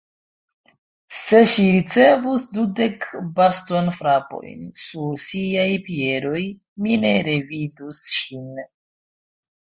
Se ŝi ricevus dudek bastonfrapojn sur siaj piedetoj, mi ne revidus ŝin.